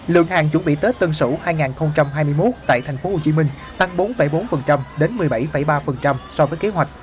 lượng hàng chuẩn bị tết tân sỉu hai nghìn hai mươi một tại tp hcm tăng bốn bốn đến một mươi bảy ba so với kế hoạch